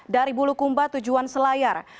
dari bulukumba tujuan selayar